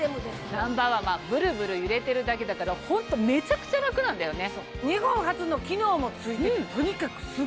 ナンバーワンブルブル揺れてるだけだからホントめちゃくちゃラクなんだよね！